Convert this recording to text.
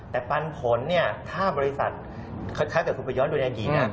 แต่พันธุ์ผลถ้าบริษัทค่าเกิดขึ้นไปย้อนดุลยากิน